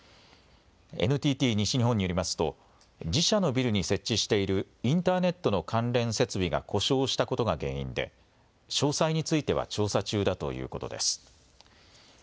ＮＴＴ西日本によりますと自社のビルに設置しているインターネットの関連設備が故障したことが原因で詳細については調査中だということです。